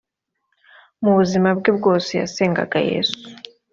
mu buzima bwe bwose yasengaga yesu